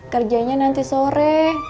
kerjanya nanti sore